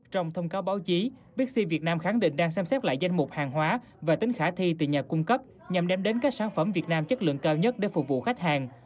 trong thông cáo báo chí bixi việt nam khẳng định đang xem xét lại danh mục hàng hóa và tính khả thi từ nhà cung cấp nhằm đem đến các sản phẩm việt nam chất lượng cao nhất để phục vụ khách hàng